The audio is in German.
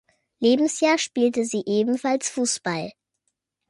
Lebensjahr spielte sie ebenfalls Fußball.